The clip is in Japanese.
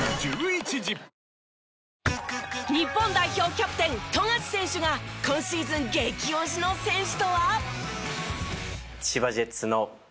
キャプテン富樫選手が今シーズン激推しの選手とは？